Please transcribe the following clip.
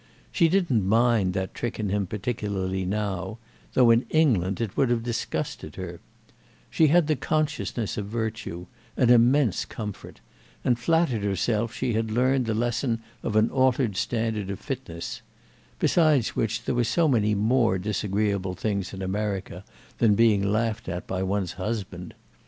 She didn't mind that trick in him particularly now, though in England it would have disgusted her; she had the consciousness of virtue, an immense comfort, and flattered herself she had learned the lesson of an altered standard of fitness—besides which there were so many more disagreeable things in America than being laughed at by one's husband.